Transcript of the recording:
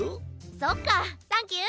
そっかサンキュー。